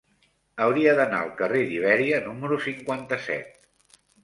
Hauria d'anar al carrer d'Ibèria número cinquanta-set.